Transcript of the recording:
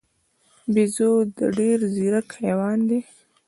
بیزو ډېر ځیرک حیوان دی.